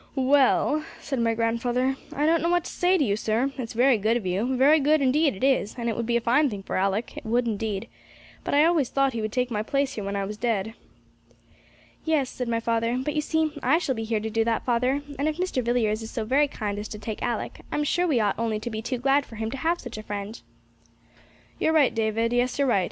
'Well,' said my grandfather, 'I don't know what to say to you, sir; it's very good of you very good, indeed it is, and it would be a fine thing for Alick, it would indeed; but I always thought he would take my place here when I was dead.' 'Yes,' said my father; 'but, you see, I shall be here to do that, father; and if Mr. Villiers is so very kind as to take Alick, I'm sure we ought only to be too glad for him to have such a friend.' 'You're right, David; yes, your right.